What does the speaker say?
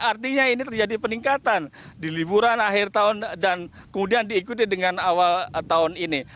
artinya ini terjadi peningkatan di liburan akhir tahun dan kemudian diikuti dengan awal tahun ini